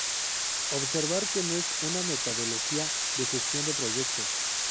Observar que no es una metodología de gestión de proyectos.